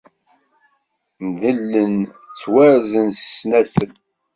Ndellen, ttwarzen s ssnasel.